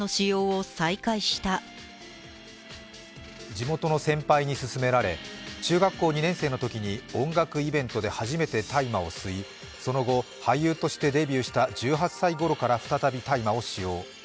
地元の先輩に勧められ中学校２年生のときに音楽イベントで初めて大麻を吸いその後、俳優としてデビューした１８歳ごろから再び大麻を使用。